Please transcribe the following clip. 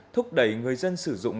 thúc đẩy người dân sử dụng